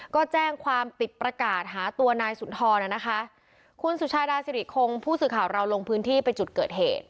ก็แจ้งความติดประกาศหาตัวนายสุนทรน่ะนะคะคุณสุชาดาสิริคงผู้สื่อข่าวเราลงพื้นที่ไปจุดเกิดเหตุ